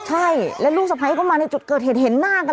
ใช่แล้วลูกศัพท์ไพรก็มาในจุดเกิดเห็นหน้ากัน